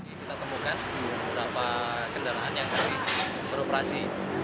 kita temukan beberapa kendaraan yang beroperasi